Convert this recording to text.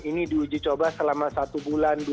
ini diuji coba selama satu bulan